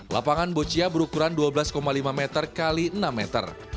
lapangan boccia berukuran dua belas lima meter x enam meter